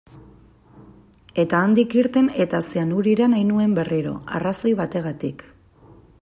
Eta handik irten eta Zeanurira nahi nuen berriro, arrazoi bategatik.